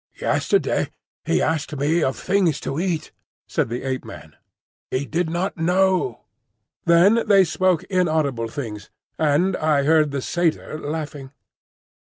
"Yesterday he asked me of things to eat," said the Ape man. "He did not know." Then they spoke inaudible things, and I heard the Satyr laughing.